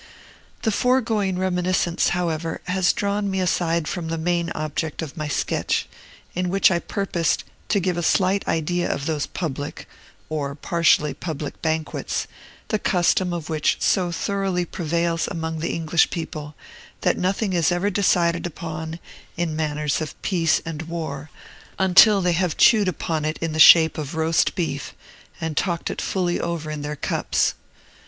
The foregoing reminiscence, however, has drawn me aside from the main object of my sketch, in which I purposed to give a slight idea of those public, or partially public banquets, the custom of which so thoroughly prevails among the English people, that nothing is ever decided upon, in matters of peace and war, until they have chewed upon it in the shape of roast beef, and talked it fully over in their cups.